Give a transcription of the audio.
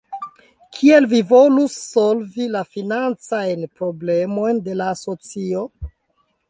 Kiel vi volus solvi la financajn problemojn de la asocio?